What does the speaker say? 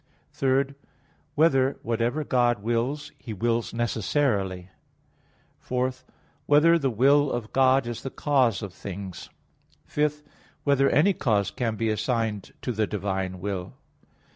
(3) Whether whatever God wills, He wills necessarily? (4) Whether the will of God is the cause of things? (5) Whether any cause can be assigned to the divine will?